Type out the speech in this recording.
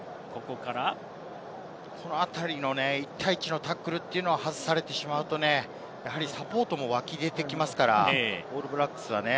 この辺りの１対１のタックルを外されてしまうとサポートも湧き出てきますから、オールブラックスは。